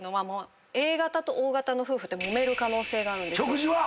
食事は！